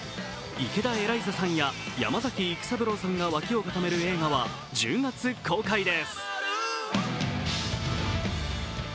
池田エライザさんや山崎育三郎さんが脇を固める映画は１０月公開です。